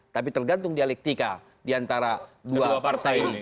tapi tergantung dialektika diantara dua partai